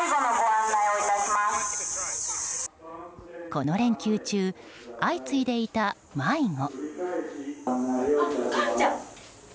この連休中、相次いでいた迷子。